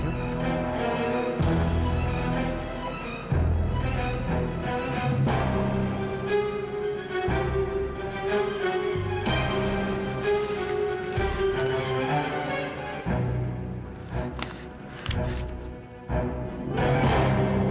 ini buku berisi apa dokter